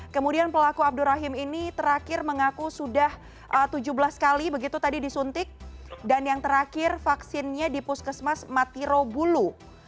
kemudian pelaku abdurrahim ini terakhir mengaku sudah tujuh belas kali begitu tadi disuntik dan yang terakhir vaksinnya dipuskesmas matirobulu